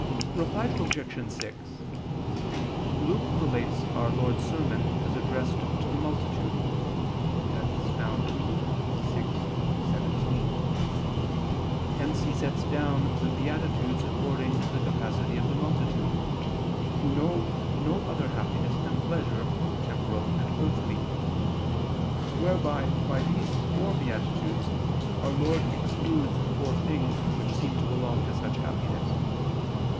Reply Obj. 6: Luke relates Our Lord's sermon as addressed to the multitude (Luke 6:17). Hence he sets down the beatitudes according to the capacity of the multitude, who know no other happiness than pleasure, temporal and earthly: wherefore by these four beatitudes Our Lord excludes four things which seem to belong to such happiness.